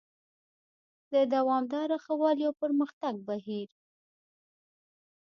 د دوامداره ښه والي او پرمختګ بهیر: